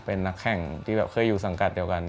เป็นนักแข่งที่แบบเคยอยู่สังกัดเดียวกัน